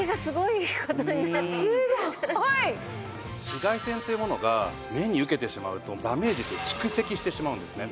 紫外線というものが目に受けてしまうとダメージって蓄積してしまうんですね。